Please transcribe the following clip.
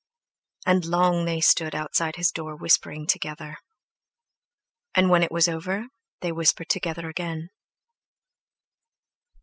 And long they stood outside his door whispering together. And when it was over they whispered together again.